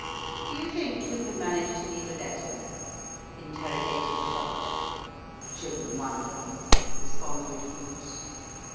" Do you think you could manage to leave a letter there ?" inter rogated Trott. " Shouldn't wonder," responded boots.